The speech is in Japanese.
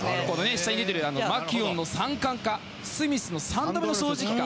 下に出ているマキュオンの３冠かスミスの三度目の正直か。